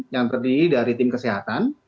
yang terdiri dari tim kesehatan